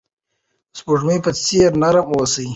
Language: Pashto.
د سپوږمۍ په څیر نرم اوسئ.